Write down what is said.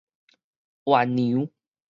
完糧